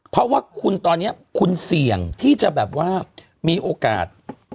เพราะว่าคุณตอนนี้คุณเสี่ยงที่จะแบบว่ามีโอกาส